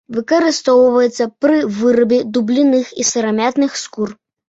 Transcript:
Выкарыстоўваецца пры вырабе дубленых і сырамятных скур.